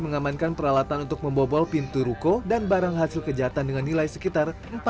mengamankan peralatan untuk membobol pintu ruko dan barang hasil kejahatan dengan nilai sekitar